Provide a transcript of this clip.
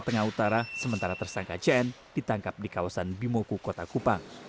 tengah utara sementara tersangka cn ditangkap di kawasan bimoku kota kupang